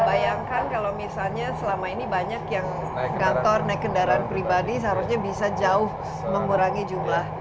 bayangkan kalau misalnya selama ini banyak yang kantor naik kendaraan pribadi seharusnya bisa jauh mengurangi jumlah